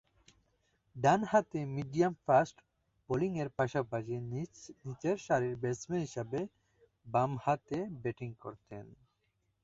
ডানহাতে মিডিয়াম-ফাস্ট বোলিংয়ের পাশাপাশি নিচেরসারির ব্যাটসম্যান হিসেবে বামহাতে ব্যাটিং করতেন।